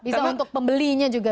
bisa untuk pembelinya juga